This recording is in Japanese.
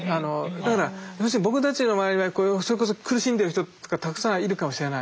だから要するに僕たちの周りにはそれこそ苦しんでる人とかたくさんいるかもしれない。